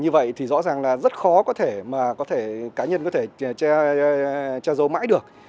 như vậy thì rõ ràng là rất khó có thể mà có thể cá nhân có thể che giấu mãi được